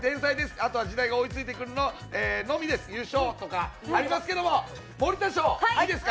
あとは時代が追いついてくるのみですとかありますけど、優勝とか。